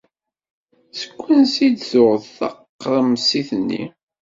Seg wansi i d-tuɣeḍ taqremsit-nni?